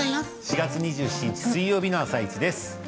４月２７日水曜日の「あさイチ」です。